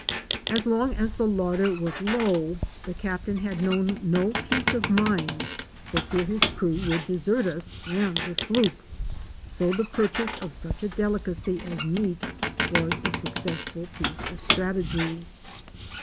As long as the larder was low the Captain had known no peace of mind for fear his crew would desert us and the sloop. So the purchase of such a delicacy as meat was a successful piece of strategy.